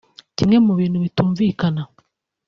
Kimwe mu bintu bitumvikana